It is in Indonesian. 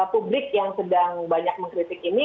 publik yang sedang banyak mengkritik ini